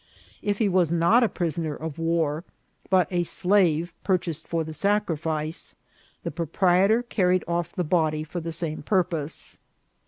If he was not a prisoner of war, but a slave purchased for the sacrifice, the proprietor carried off the body for the same purpose.